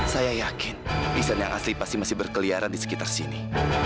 saya yakin desain yang asli pasti masih berkeliaran di sekitar sini